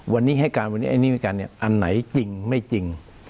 วันนี้ให้การวันนี้ไอ้นี่ให้การเนี่ยอันไหนจริงไม่จริง